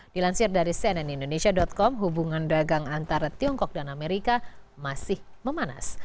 dilansir dari cnn indonesia com hubungan dagang antara tiongkok dan amerika masih memanas